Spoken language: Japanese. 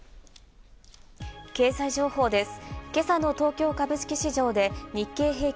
経済情報です。